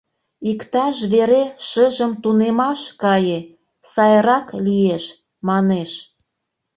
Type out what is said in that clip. Иктаж вере шыжым тунемаш кае — сайрак лиеш, — манеш.